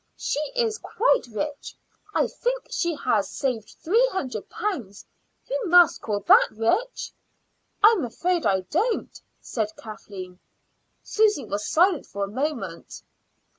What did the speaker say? "She is quite rich. I think she has saved three hundred pounds. You must call that rich." "I'm afraid I don't," said Kathleen. Susy was silent for a moment.